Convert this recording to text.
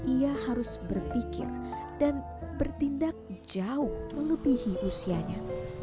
ia harus berpikir dan bertindak jauh melebihi usianya